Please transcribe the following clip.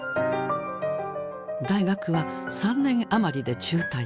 大学は３年余りで中退。